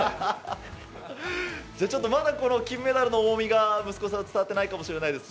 じゃあちょっとまだ、金メダルの重みが息子さん、伝わってないかもしれないですね。